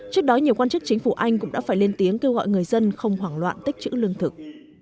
trước đó nhiều quan chức chính phủ anh cũng đã phải lên tiếng kêu gọi người dân không hoảng loạn tích chữ lương thực